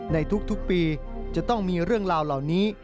ในทุกปีจะต้องมีเรื่องราวเหล่านี้